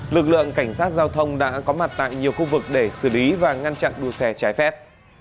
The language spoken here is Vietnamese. lực lượng cảnh sát giao thông đã có mặt tại nhiều khu vực để xử lý và ngăn chặn đua xe trái phép